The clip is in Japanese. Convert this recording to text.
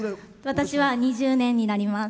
私は２０年になります。